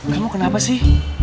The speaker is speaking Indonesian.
kamu kenapa sih